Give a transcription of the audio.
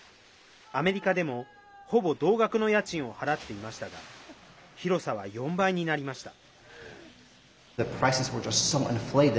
アメリカでも、ほぼ同額の家賃を払っていましたが広さは４倍になりました。